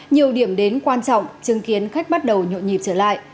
nhiều điểm đến quan trọng chứng kiến khách bắt đầu nhộn nhịp trở lại